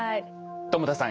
友田さん